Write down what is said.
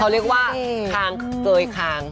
เขาเรียกว่าคางเกยคาง